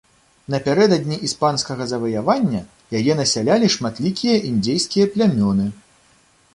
Напярэдадні іспанскага заваявання яе насялялі шматлікія індзейскія плямёны.